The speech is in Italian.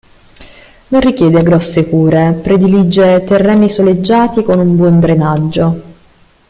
Non richiede grosse cure, predilige terreni soleggiati con un buon drenaggio.